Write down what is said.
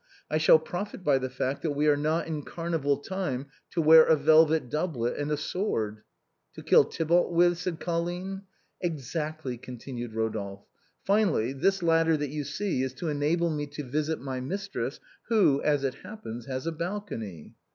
I shall profit by the fact that we are not in Car nival time to wear a velvet doublet and a sword." " To kill Tybalt with ?" said Colline. " Exactly," continued Eodolphe. " Finally, this ladder that you see is to enable me to visit my mistress, who, as it happens, has a balcony."